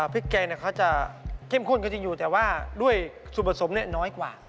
พริกแกงเขาจะเข้มข้นก็จริงอยู่แต่ว่าด้วยส่วนผสมน้อยกว่า